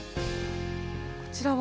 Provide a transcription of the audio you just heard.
こちらは？